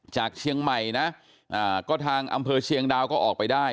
จากเชียงใหม่นะก็ทางอำเภอเชียงดาวก็ออกไปได้